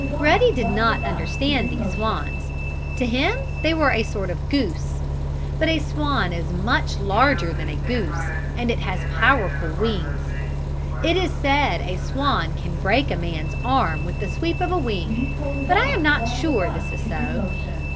Ruddy did not understand these swans. To him they were a sort of goose. But a swan is much larger than a goose and it has powerful wings. It is said a swan can break a man's arm with a sweep of the wing, but I am not sure this is so.